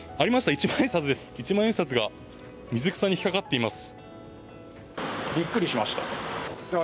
一万円札が水草に引っ掛かっています。